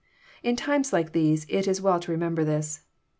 In times like these it is well to remember this.